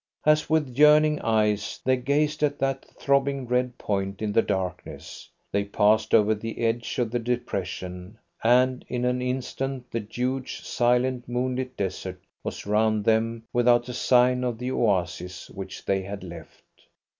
As with yearning eyes they gazed at that throbbing red point in the darkness, they passed over the edge of the depression, and in an instant the huge, silent, moonlit desert was round them without a sign of the oasis which they had left.